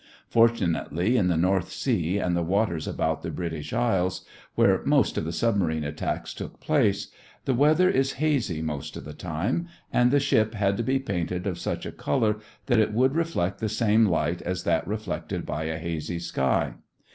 Fortunately in the North Sea and the waters about the British Isles, where most of the submarine attacks took place, the weather is hazy most of the time, and the ship had to be painted of such a color that it would reflect the same light as that reflected by a hazy sky.